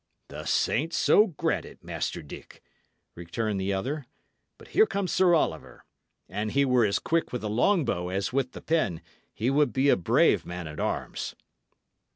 "The saints so grant it, Master Dick!" returned the other. "But here comes Sir Oliver. An he were as quick with the long bow as with the pen, he would be a brave man at arms."